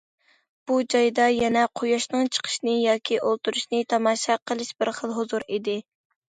بۇ جايدا يەنە قۇياشنىڭ چىقىشىنى ياكى ئولتۇرۇشىنى تاماشا قىلىش بىر خىل ھۇزۇر ئىدى.